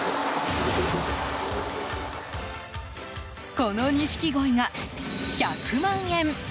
この錦鯉が１００万円。